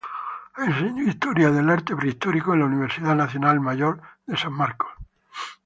Enseñó Historia del Arte Prehispánico en la Universidad Nacional Mayor de San Marcos.